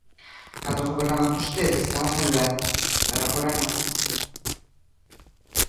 Cando gobernaban vostedes, estaba moi ben, pero agora non.